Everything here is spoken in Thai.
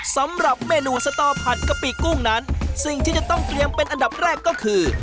สำหรับเมนูสตอผัดกะปิกุ้งนั้นสิ่งที่จะต้องเตรียมเป็นอันดับแรกก็คือ